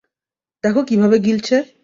দেখ কীভাবে গিলছে!